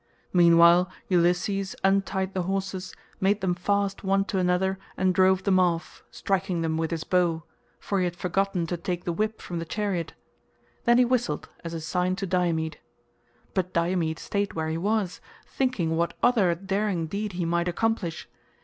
Meanwhile Ulysses untied the horses, made them fast one to another and drove them off, striking them with his bow, for he had forgotten to take the whip from the chariot. Then he whistled as a sign to Diomed. But Diomed stayed where he was, thinking what other daring deed he might accomplish.